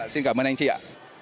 xin cảm ơn anh chị ạ